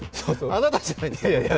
あなたじゃないの？